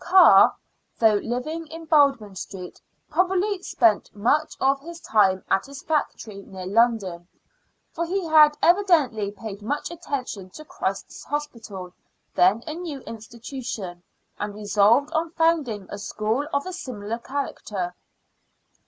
Carr, though living in Baldwin Street, probably spent much of his time at his factory near London, for he had evidently paid much attention to Christ's Hospital, then a new institution, and resolved on founding a school of a similar character.